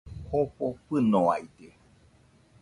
Jofo fɨnoaide